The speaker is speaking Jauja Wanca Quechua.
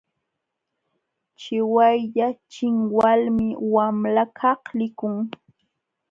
Chiwaylla chinwalmi wamlakaq likun.